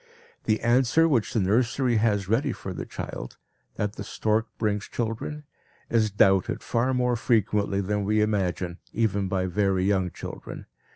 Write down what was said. The answer which the nursery has ready for the child, that the stork brings children, is doubted far more frequently than we imagine, even by very young children.